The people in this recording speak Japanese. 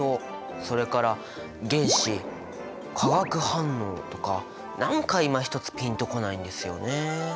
それから原子化学反応とか何かいまひとつピンと来ないんですよね。